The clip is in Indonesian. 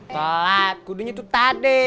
tolat kudunya tuh tadi